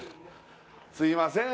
すいません